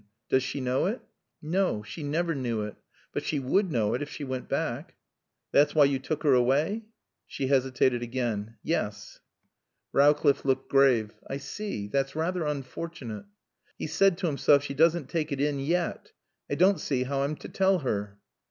"Does she know it?" "No. She never knew it. But she would know it if she went back." "That's why you took her away?" She hesitated again. "Yes." Rowcliffe looked grave. "I see. That's rather unfortunate." He said to himself: "She doesn't take it in yet. I don't see how I'm to tell her."